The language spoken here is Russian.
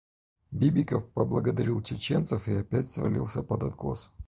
Бибиков поблагодарил чеченцев и опять свалился под откос.